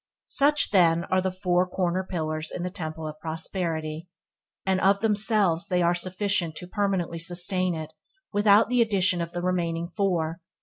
Such, then, are four corner pillars in the Temple of Prosperity, and of themselves they are sufficient to permanently sustain it without the addition of the remaining four.